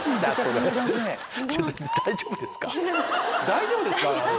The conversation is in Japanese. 大丈夫ですか？